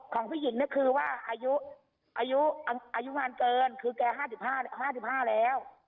ของพี่หญิงเนี่ยคือว่าอายุอายุอายุงานเกินคือแก๕๕๕๕แล้ว